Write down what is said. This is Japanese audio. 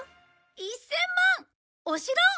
１０００万！お城！